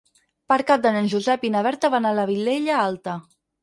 Per Cap d'Any en Josep i na Berta van a la Vilella Alta.